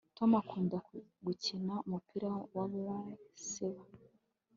tom akunda gukina umupira wa baseball